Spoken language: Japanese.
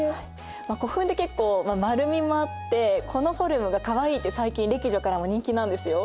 古墳って結構丸みもあってこのフォルムがかわいいって最近歴女からも人気なんですよ。